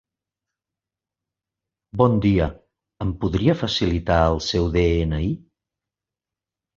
Bon dia, em podria facilitar el seu de-ena-i?